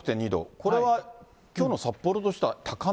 これは、きょうの札幌としては高め？